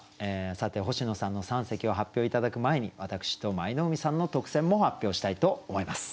さて星野さんの三席を発表頂く前に私と舞の海さんの特選も発表したいと思います。